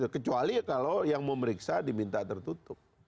kecuali kalau yang memeriksa diminta tertutup